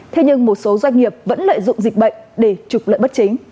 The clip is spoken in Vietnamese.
thế nhưng một số doanh nghiệp vẫn lợi dụng dịch bệnh để trục lợi bất chính